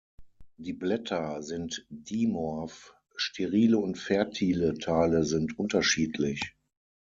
Die Blätter sind dimorph, sterile und fertile Teile sind unterschiedlich.